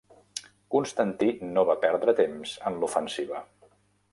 Constantí no va perdre temps en l'ofensiva.